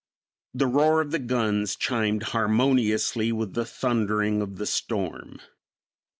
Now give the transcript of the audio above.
The roar of the guns chimed harmoniously with the thundering of the storm.